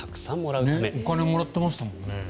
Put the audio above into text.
お金もらってましたもんね。